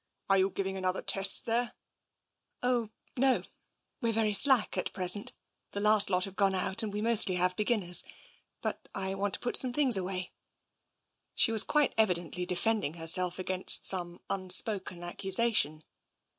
" Are you giving another test there ?"" Oh, no. We're very slack at present. The last ft u TENSION 249 lot have gone out, and we mostly have beginners. But I want to put some things away/' She was quite evidently defending herself against some unspoken accusation.